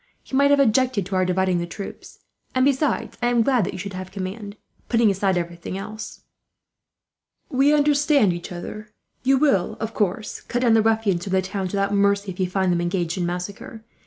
He might have objected to our dividing the troop; and besides, I am glad that you should command, putting aside everything else. We understand each other. "You will, of course, cut down the ruffians from the towns without mercy, if you find them engaged in massacre.